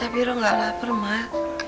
tapi rok gak lapar mak